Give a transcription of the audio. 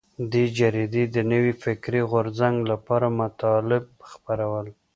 دې جریدې د نوي فکري غورځنګ لپاره مطالب خپرول.